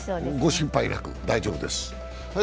ご心配なく、大丈夫です。